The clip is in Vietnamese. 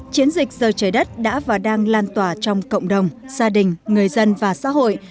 chiến dịch giờ trời đất đã và đang lan tỏa trong cộng đồng gia đình người dân và xã hội